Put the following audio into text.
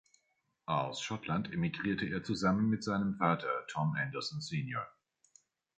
Aus Schottland emigrierte er zusammen mit seinem Vater Tom Anderson Sr.